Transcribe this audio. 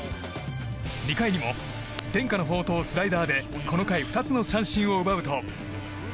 ２回にも伝家の宝刀スライダーでこの回２つの三振を奪うと。